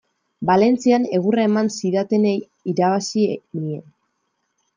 Valentzian egurra eman zidatenei irabazi nien.